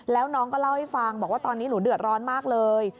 แล้วน้องก็เล่าให้ฟังบอกว่าตอนนี้หนูเดือดร้อนมากเลย